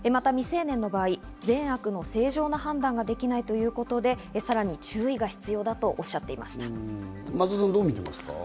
また未成年の場合、善悪の正常な判断ができないということで、さらに注意が必要だとおっしゃっていました。